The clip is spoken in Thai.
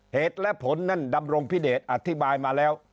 เหตุและผลนั่นดำรงพิเดชอธิบายมาแล้ว